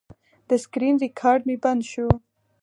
د سکرین ریکارډ مې بند شو.